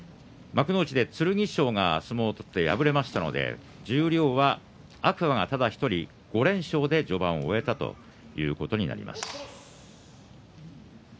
幕内で剣翔が相撲を取って敗れましたので十両は天空海がただ１人５連勝で序盤を終えました。